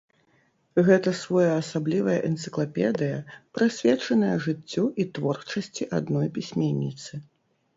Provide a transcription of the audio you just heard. Гэта своеасаблівая энцыклапедыя, прысвечаная жыццю і творчасці адной пісьменніцы.